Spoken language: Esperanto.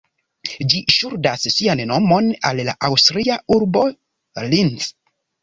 Ĝi ŝuldas sian nomon al la aŭstria urbo Linz.